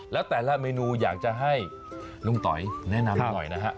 แล้วแต่ละเมนูอยากจะให้ลุงต๋อยแนะนำหน่อยนะฮะ